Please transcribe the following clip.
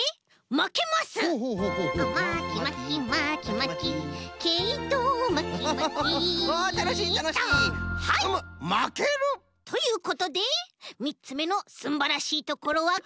「まける」！ということでみっつめのすんばらしいところはこちらです！